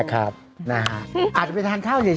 นะครับอาจจะไปทานข้าวเฉย